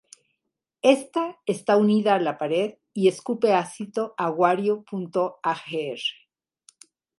Esta está unida a la pared y escupe ácido a Wario.Agr.